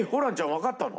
わかったの？